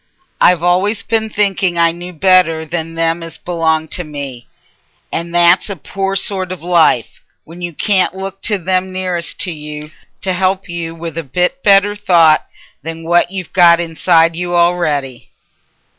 I've always been thinking I knew better than them as belonged to me, and that's a poor sort o' life, when you can't look to them nearest to you t' help you with a bit better thought than what you've got inside you a'ready."